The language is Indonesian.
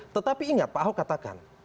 tetapi ingat pak ahok katakan